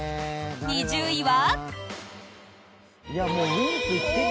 ２０位は。